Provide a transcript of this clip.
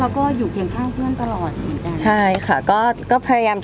เห็นว่าเราก็อยู่เกี่ยวข้างเพื่อนตลอดอยู่ได้